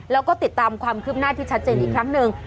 แล้วก็ติดตามความคืบหน้าที่ชัดเจนอีกครั้งหนึ่ง